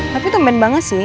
tapi temen banget sih